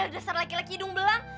dasar laki laki hidung belang